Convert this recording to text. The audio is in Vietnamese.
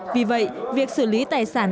vì vậy việc xử lý tài sản